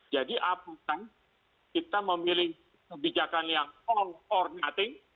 jadi apakah kita memilih kebijakan yang all or nothing